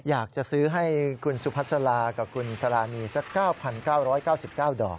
อยากจะซื้อให้คุณสุพัสลากับคุณสารานีสัก๙๙๙๙ดอก